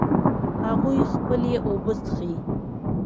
هغوی خپلې اوبه څښي